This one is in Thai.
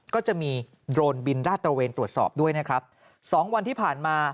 ก็จะมีโดรนบินราดตระเวนตรวจสอบด้วยนะครับสองวันที่ผ่านมา